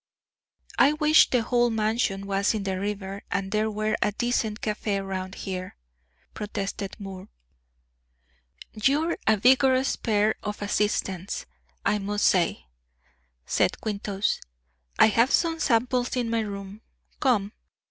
"I wish the whole Mansion was in the river, and there were a decent café round here," protested Moore. "You're a vigorous pair of assistants, I must say," said Quintus. "I have some samples in my room. Come!"